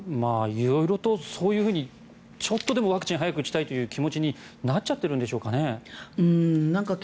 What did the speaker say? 色々とそういうふうにちょっとでも早くワクチンを打ちたいという気持ちになっちゃってるんでしょうかね。